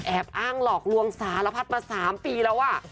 อ้างหลอกลวงสารพัดมา๓ปีแล้ว